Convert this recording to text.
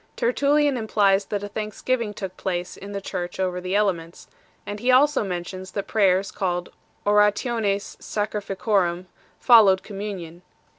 Tertullian implies that a thanks giving took place in the Church over the elements 6 ; and he also mentions that prayers, called " orationes sacrifici orum," followed communion.